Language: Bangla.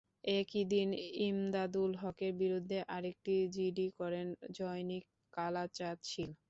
একই দিন ইমদাদুল হকের বিরুদ্ধে আরেকটি জিডি করেন জনৈক কালাচাঁদ শীল।